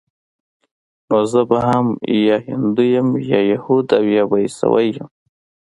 نو زه به هم يا هندو وم يا يهود او يا به عيسوى وم.